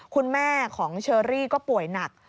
คุณแม่ของเชอรี่ก็ป่วยหนัก